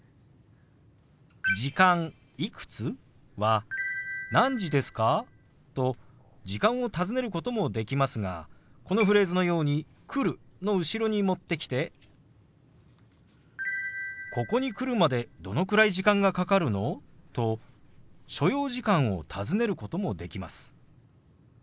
「時間いくつ？」は「何時ですか？」と時間を尋ねることもできますがこのフレーズのように「来る」の後ろに持ってきて「ここに来るまでどのくらい時間がかかるの？」と所要時間を尋ねることもできます。